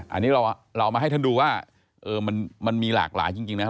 อันนี้เราเอามาให้ท่านดูว่ามันมีหลากหลายจริงนะครับ